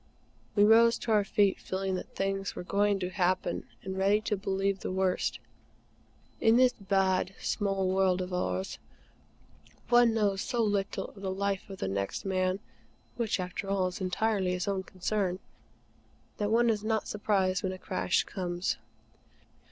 We rose to our feet, feeling that things were going to happen and ready to believe the worst. In this bad, small world of ours, one knows so little of the life of the next man which, after all, is entirely his own concern that one is not surprised when a crash comes.